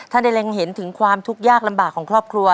ได้เล็งเห็นถึงความทุกข์ยากลำบากของครอบครัว